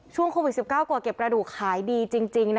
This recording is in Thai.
ช่วงโควิด๑๙โกดเก็บกระดูกขายดีจริงนะ